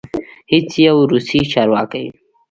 هیڅ یو روسي چارواکی